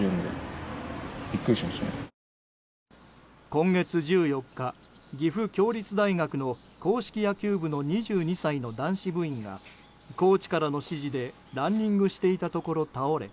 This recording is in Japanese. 今月１４日、岐阜協立大学の硬式野球部の２２歳の男子部員がコーチからの指示でランニングしていたところ倒れ